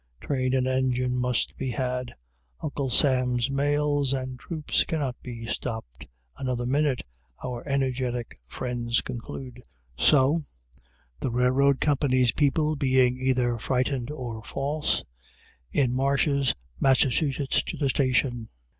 Train and engine must be had. "Uncle Sam's mails and troops cannot be stopped another minute," our energetic friends conclude. So, the railroad company's people being either frightened or false, in marches Massachusetts to the station.